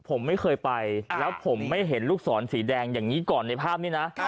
ผมไม่เคยไปแล้วผมไม่เห็นลูกศรสีแดงอย่างนี้ก่อนในภาพนี้นะ